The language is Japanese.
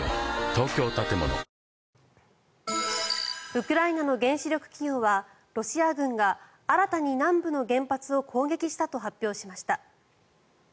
ウクライナの原子力企業はロシア軍が新たに南部の原発を攻撃したと発表しました。